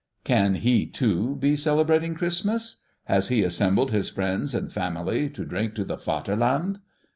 Can he too be celebrating Christmas? Has he assembled his friends and family to drink to the Vaterland?